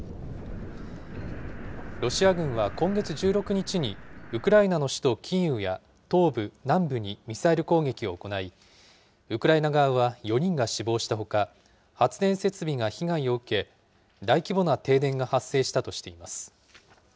ロシア軍は今月１６日に、ウクライナの首都キーウや東部、南部にミサイル攻撃を行い、ウクライナ側は４人が死亡したほか、発電設備が被害を受け、大規模な停電が発生したとしています。